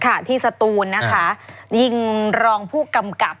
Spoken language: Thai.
ค่ะที่สตูนนะคะยิงรองผู้กำกับ